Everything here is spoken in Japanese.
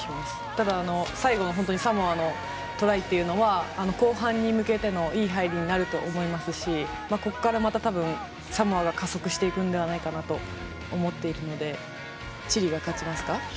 ただ、最後のサモアのトライっていうのは後半に向けてのいい入りになると思いますしここから、またサモアが加速していくのではないかなと思っているのでチリが勝ちますか？